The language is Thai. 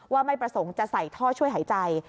ว่าไม่ประสงค์จะใส่ท่อช่วยหายใจ